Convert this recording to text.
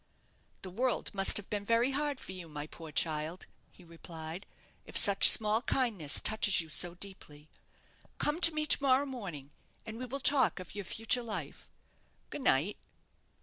"The world must have been very hard for you, my poor child," he replied, "if such small kindness touches you so deeply. Come to me to morrow morning, and we will talk of your future life. Goodnight!"